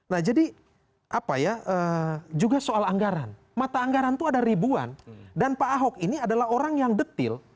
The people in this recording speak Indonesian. nah jadi apa ya juga soal anggaran mata anggaran itu ada ribuan dan pak ahok ini adalah orang yang detil